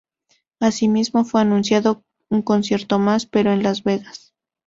Asimismo, fue anunciado un concierto más, pero en Las Vegas.